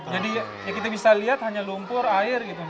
jadi ya kita bisa lihat hanya lumpur air gitu